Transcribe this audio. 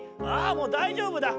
もうだいじょうぶだ」。